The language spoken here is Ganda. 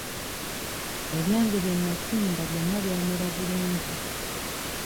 Ebyange bye nnasimba byonna byamera bulungi.